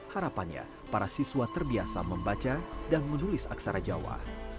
harapannya para siswa terbiasa membaca dan menulis aksarojawa